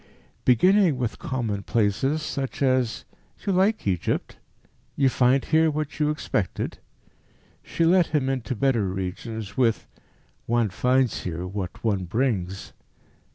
Beginning with commonplaces, such as "You like Egypt? You find here what you expected?" she led him into better regions with "One finds here what one brings."